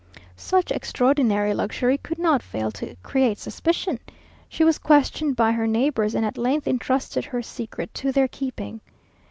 Such extraordinary luxury could not fail to create suspicion. She was questioned by her neighbours, and at length intrusted her secret to their keeping.